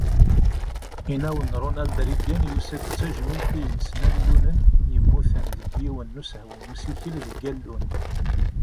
Inaw-a n Ronald Reagan yusa-d d tajmilt i imesnallunen yemmuten deg yiwen n usehwu n usikel deg allun.